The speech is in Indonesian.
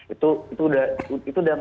itu udah mindset di kepala saya sih